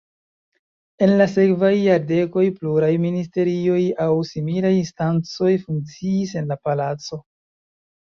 En la sekvaj jardekoj pluraj ministerioj aŭ similaj instancoj funkciis en la palaco.